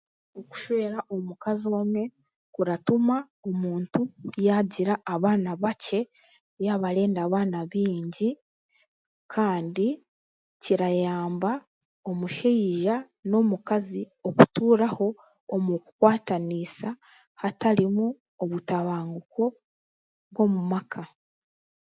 Okushwera omukazi omwe kuratuma omuntu yaagira abaana bakye, yaaba arenda abaana baingi kandi kirayamba omushaija n'omukazi okutuuraho omu kukwataniisa hatarimu obutabanguko bw'omu maka.